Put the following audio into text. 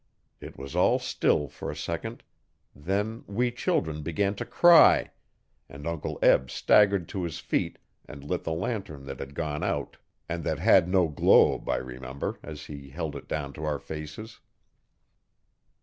It was all still for a second; then we children began to cry, and Uncle Eb staggered to his feet and lit the lantern that had gone out and that had no globe, I remember, as he held it down to our faces.